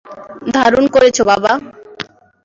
দারুণ করেছ, বাবা!